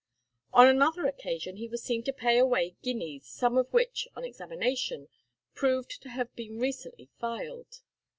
On another occasion he was seen to pay away guineas some of which, on examination, proved to have been recently filed.